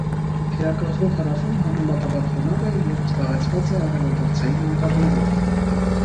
Թերակղզու հարավում համեմատաբար խոնավ է և զբաղեցված է արևադարձային անտառներով։